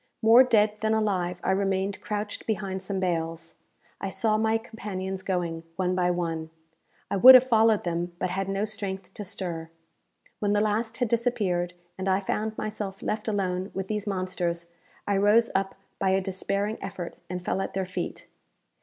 More dead than alive, I remained crouched behind some bales. I saw my companions going, one by one. I would have followed them, but had no strength to stir. When the last had disappeared, and I found myself left alone with these monsters, I rose up by a despairing effort and fell at their feet.